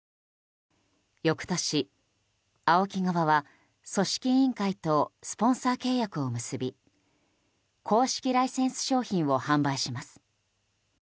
翌年、ＡＯＫＩ側は組織委員会とスポンサー契約を結び公式ライセンス商品を販売します。